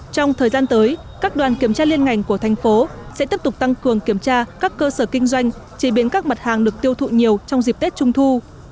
trong thời gian tới các đoàn kiểm tra liên ngành của thành phố sẽ tiếp tục tăng cường kiểm tra các cơ sở kinh doanh chế biến các mặt hàng được tiêu thụ nhiều trong dịp tết trung thu